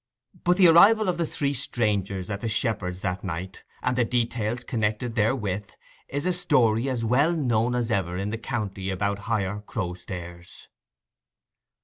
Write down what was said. But the arrival of the three strangers at the shepherd's that night, and the details connected therewith, is a story as well known as ever in the country about Higher Crowstairs.